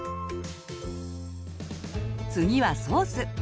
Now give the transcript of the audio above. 次はソース。